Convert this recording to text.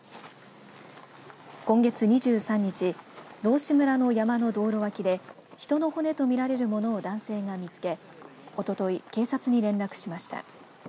今月２３日道志村の山の道路脇で人の骨とみられるものを男性が見つけおととい、警察に連絡しました。